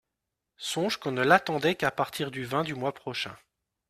Songe qu’on ne l’attendait qu’à partir du vingt du mois prochain !